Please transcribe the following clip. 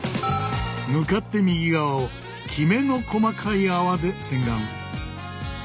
向かって右側をきめの細かい泡で洗顔。